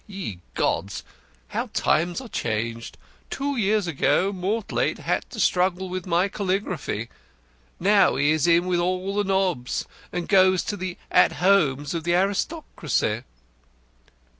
Ye gods! How times are changed! Two years ago Mortlake had to struggle with my calligraphy now he is in with all the nobs, and goes to the 'At Homes' of the aristocracy."